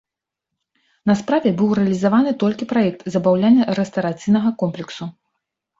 На справе быў рэалізаваны толькі праект забаўляльна-рэстарацыйнага комплексу.